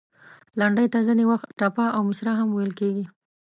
لنډۍ ته ځینې وخت، ټپه او مصره هم ویل کیږي.